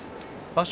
場所